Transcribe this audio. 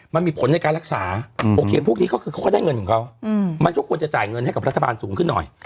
มันมีผลในการรักษาโอเคพวกนี้ก็คือเขาก็ได้เงินของเขามันก็ควรจะจ่ายเงินให้กับรัฐบาลสูงขึ้นหน่อย